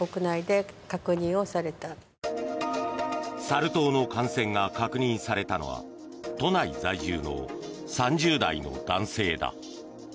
サル痘の感染が確認されたのは都内在住の３０代の男性だ。